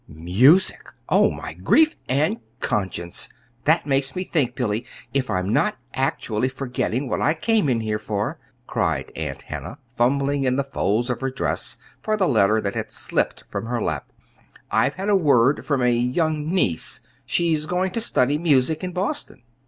"Music! Oh, my grief and conscience! That makes me think, Billy. If I'm not actually forgetting what I came in here for," cried Aunt Hannah, fumbling in the folds of her dress for the letter that had slipped from her lap. "I've had word from a young niece. She's going to study music in Boston."